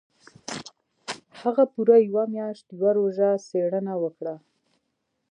هغه پوره يوه مياشت يوه ژوره څېړنه وکړه.